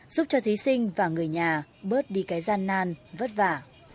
giúp cho thí sinh và người nhà bớt đi cái gian nan vất vả